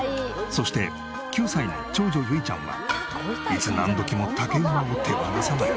そして９歳の長女ゆいちゃんはいつ何時も竹馬を手放さない。